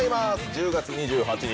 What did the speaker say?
１０月２８日